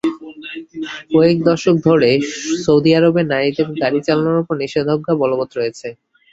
কয়েক দশক ধরে সৌদি আরবে নারীদের গাড়ি চালানোর ওপর নিষেধাজ্ঞা বলবৎ রয়েছে।